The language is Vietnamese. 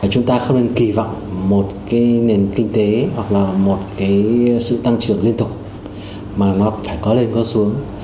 chúng ta không nên kỳ vọng một cái nền kinh tế hoặc là một cái sự tăng trưởng liên tục mà nó phải có lên cao xuống